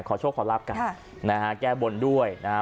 โชคขอรับกันนะฮะแก้บนด้วยนะฮะ